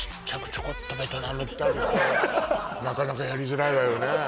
ちょこっとベトナムってあるけどなかなかやりづらいわよね